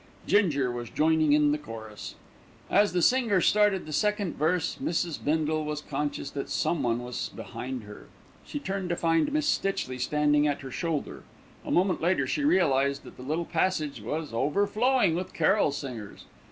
Ginger was joining in the chorus! As the singer started the second verse, Mrs. Bindle was conscious that someone was behind her. She turned to find Miss Stitchley standing at her shoulder. A moment later she realised that the little passage was overflowing with carol singers.